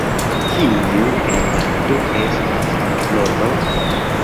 Kiu el la du estas la floro?